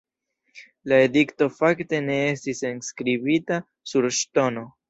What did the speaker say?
La edikto fakte ne estis enskribita sur ŝtono.